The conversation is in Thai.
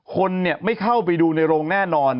คนไม่เข้าไปดูในโรงแน่นอน